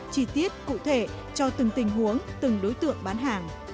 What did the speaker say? chi tiết cụ thể cho từng tình huống từng đối tượng bán hàng